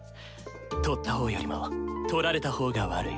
盗った方よりも盗られた方が悪い。